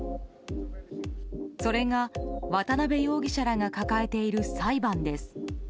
それが渡辺容疑者らが抱えている裁判です。